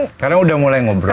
sekarang udah mulai ngobrol